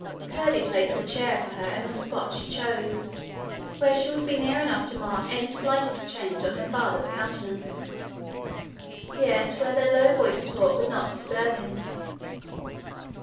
Curdie placed a chair for her in the spot she chose, where she would be near enough to mark any slightest change on her father's countenance, yet where their low voiced talk would not disturb him.